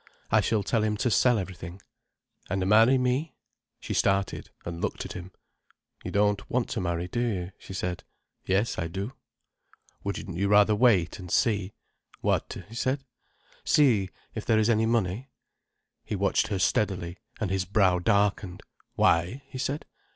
"I shall tell him to sell everything—" "And marry me?" She started, and looked at him. "You don't want to marry, do you?" she said. "Yes, I do." "Wouldn't you rather wait, and see—" "What?" he said. "See if there is any money." He watched her steadily, and his brow darkened. "Why?" he said.